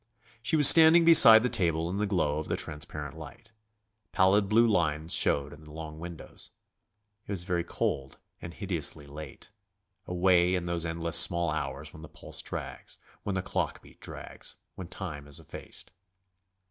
She was standing beside the table in the glow of the transparent light. Pallid blue lines showed in the long windows. It was very cold and hideously late; away in those endless small hours when the pulse drags, when the clock beat drags, when time is effaced.